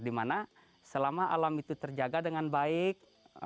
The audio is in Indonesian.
dimana selama alam itu terjaga dengan baik